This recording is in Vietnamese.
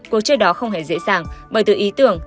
cuộc chơi đó không hề dễ dàng bởi từ ý tưởng